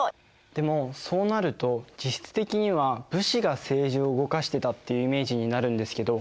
でもそうなると実質的には武士が政治を動かしてたっていうイメージになるんですけど。